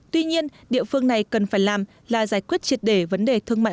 tuy nhiên địa phương này cần phải làm là giải quyết triệt để vấn đề thương mại